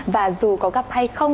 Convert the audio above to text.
và dù có gặp hay không